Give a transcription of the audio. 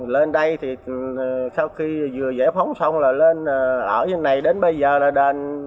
lên đây thì sau khi vừa giải phóng xong là lên ở như này đến bây giờ là đền